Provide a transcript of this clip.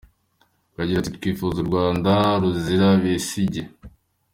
Akagira ati twifuza u Rwanda ruzira Bessigge.